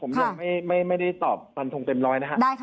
ผมยังไม่ได้ตอบกลางครั่งเป็นร้อยนะฮะ